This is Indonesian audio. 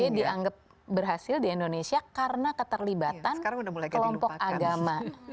tapi dianggap berhasil di indonesia karena keterlibatan kelompok agama